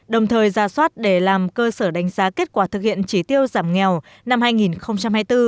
đồng thời ra soát để làm cơ sở đánh giá kết quả thực hiện chỉ tiêu giảm nghèo năm hai nghìn hai mươi bốn